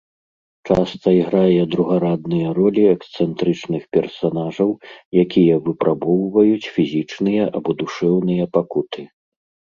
Часта іграе другарадныя ролі эксцэнтрычных персанажаў, якія выпрабоўваюць фізічныя або душэўныя пакуты.